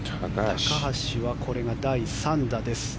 高橋はこれが第３打です。